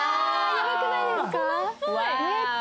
やばくないですか？